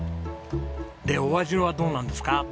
でお味はどうなんですか？